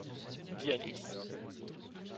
Vit à Nice.